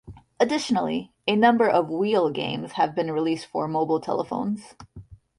Additionally, a number of "Wheel" games have been released for mobile telephones.